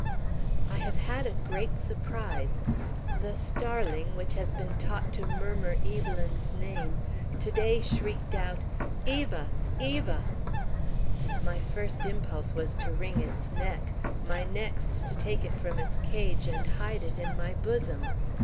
"I have had a great surprise. The starling, which has been taught to murmur Evelyn's name, to day shrieked out, 'Eva! Eva!' My first impulse was to wring its neck, my next to take it from its cage and hide it in my bosom.